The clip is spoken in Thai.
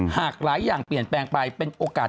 หากหลายอย่างเปลี่ยนแปลงไปเป็นโอกาส